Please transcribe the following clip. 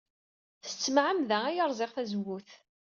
S tmeɛmada ay rẓiɣ tazewwut.